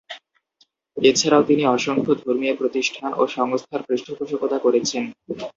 এছাড়াও তিনি অসংখ্য ধর্মীয় প্রতিষ্ঠান ও সংস্থার পৃষ্ঠপোষকতা করেছেন।